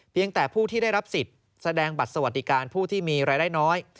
แต่ผู้ที่ได้รับสิทธิ์แสดงบัตรสวัสดิการผู้ที่มีรายได้น้อย